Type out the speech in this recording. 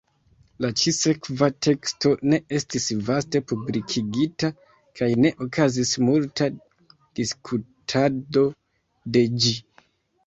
La ĉi-sekva teksto ne estis vaste publikigita kaj ne okazis multa diskutado de ĝi.